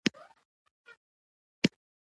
عرفاني لوړو فکرونو برخه کمه وه.